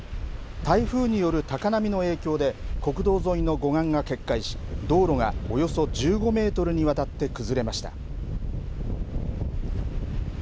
台風による高波の影響で国道沿いの護岸が決壊し道路がおよそ１５メートルにわたって崩れました。